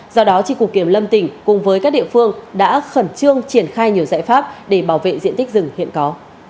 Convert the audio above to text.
do đó tri cục kiểm lâm tỉnh cùng với các địa phương đã khẩn trương triển khai nhiều giải pháp để bảo vệ diện tích rừng hiện có